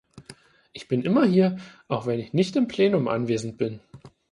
Ich bin immer hier, auch wenn ich nicht im Plenum anwesend bin.